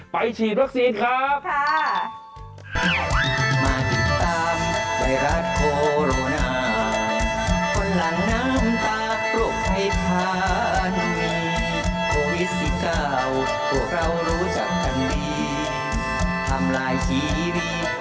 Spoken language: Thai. ไปฉีดรักษีครับ